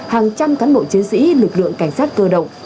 hàng trăm cán bộ chiến sĩ lực lượng cảnh sát cơ động